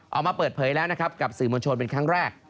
ออกมาเปิดเผยแล้วนะครับกับสื่อมวลชนเป็นครั้งแรก